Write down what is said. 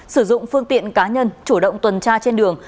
sử dụng phương tiện cá nhân chủ động tuần tra trên đường